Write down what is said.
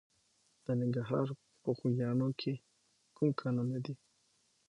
د ننګرهار په خوږیاڼیو کې کوم کانونه دي؟